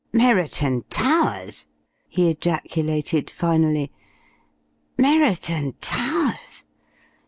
"Merriton Towers!" he ejaculated finally. "Merriton Towers!